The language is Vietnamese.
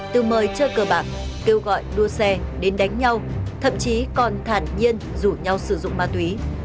từ mời chơi cờ bạc kêu gọi đua xe đến đánh nhau thậm chí còn thản nhiên rủ nhau sử dụng ma túy